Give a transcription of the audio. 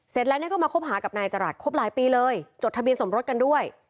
เสร็จแล้วเนี่ยก็มาคบหากับนายจรัสคบหลายปีเลยจดทะเบียนสมรสกันด้วย